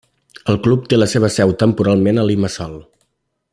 El club té la seva seu temporalment a Limassol.